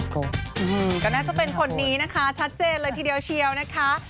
ก็น่าจะเป็นคนนี้นะคะชัดเจนเลยทีเดียวเชียวนะคะ